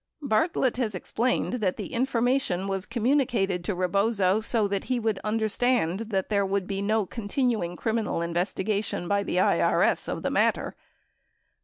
Bartlett has ex plained that that information was communicated to Rebozo so that he would understand there would be no continuing criminal investigation by IRS of the matter.